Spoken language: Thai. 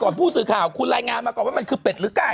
ผู้สื่อข่าวคุณรายงานมาก่อนว่ามันคือเป็ดหรือไก่